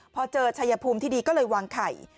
พอเจอชัยภูมิที่ดีก็เลยวางไข่